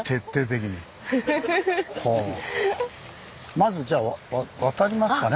まずじゃあ渡りますかね。